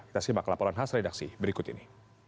kita simak laporan khas redaksi berikut ini